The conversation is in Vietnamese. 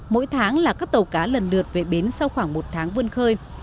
mỗi tháng là các tàu cá lần lượt về bến sau khoảng một tháng vươn khơi